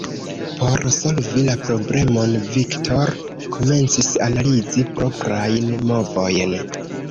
Por solvi la problemon Viktor komencis analizi proprajn movojn.